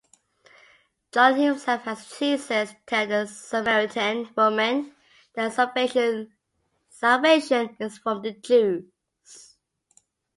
John himself has Jesus tell the Samaritan woman that salvation is from the Jews.